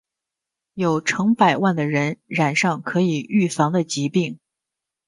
有成百万的人染上可以预防的疾病。